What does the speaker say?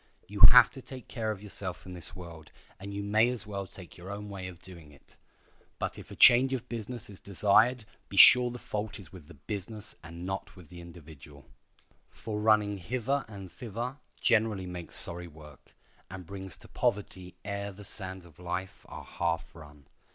You have to take care of yourself in this world, and you may as well take your own way of doing it. But if a change of business is desired be sure the fault is with the business and not the individual. For running hither and thither generally makes sorry work, and brings to poverty ere the sands of life are half run.